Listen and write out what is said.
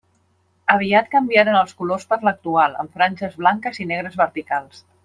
Aviat canviaren els colors per l'actual amb franges blanques i negres verticals.